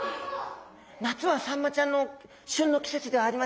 夏はサンマちゃんの旬の季節ではありません。